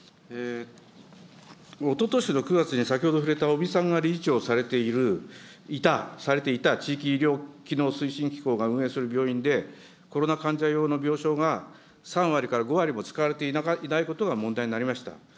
おととしの９月に先ほど触れた尾身さんが理事長をされている、されていた地域医療機能推進機構が運営する病院で、コロナ患者用の病床が３割から５割も使われていないことが問題になりました。